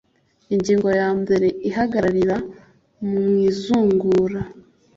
ingingo ya mbere ihagararira mu izungura